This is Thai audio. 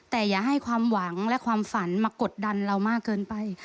แต่อย่าให้ความหวังและความฝันมากดดันเรามากเกินไป